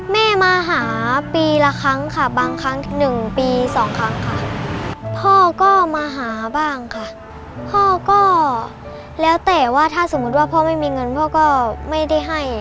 แม่มาหาปีละครั้งค่ะบางครั้งหนึ่งปีสองครั้งค่ะพ่อก็มาหาบ้างค่ะพ่อก็แล้วแต่ว่าถ้าสมมุติว่าพ่อไม่มีเงินพ่อก็ไม่ได้ให้